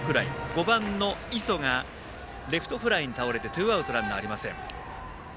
５番の磯がレフトフライに倒れてツーアウト、ランナーありません。